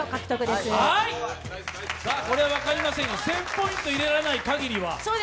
これは分かりませんよ、１０００ポイント入れない限りは。